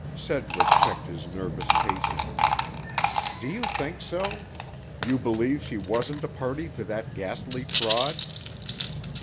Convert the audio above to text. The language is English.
Sedgwick checked his nervous pacing. "Do you think so? You believe she wasn't a party to that ghastly fraud?"